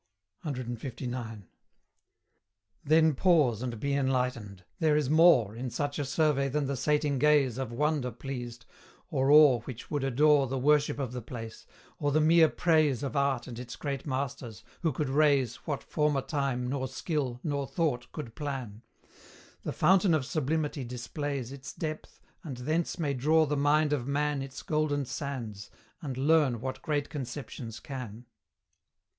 CLIX. Then pause and be enlightened; there is more In such a survey than the sating gaze Of wonder pleased, or awe which would adore The worship of the place, or the mere praise Of art and its great masters, who could raise What former time, nor skill, nor thought could plan; The fountain of sublimity displays Its depth, and thence may draw the mind of man Its golden sands, and learn what great conceptions can.